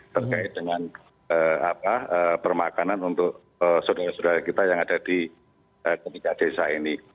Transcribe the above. terkait dengan permakanan untuk saudara saudara kita yang ada di ketiga desa ini